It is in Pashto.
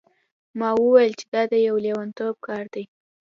ما وویل چې دا د یو لیونتوب کار دی.